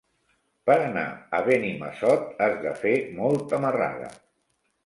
Per anar a Benimassot has de fer molta marrada.